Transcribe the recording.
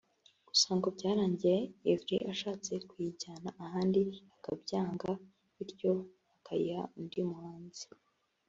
Gusa ngo byarangiye Yverry ashatse kuyijyana ahandi akabyanga bityo akayiha undi muhanzi